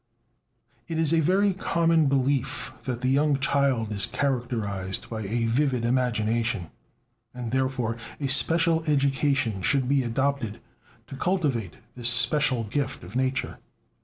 It is a very common belief that the young child is characterized by a vivid imagination, and therefore a special education should be adopted to cultivate this special gift of nature.